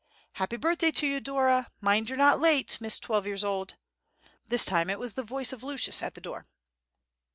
"Happy birthday to you, Dora! Mind you're not late, Miss Twelve years old!" This time it was the voice of Lucius at the door.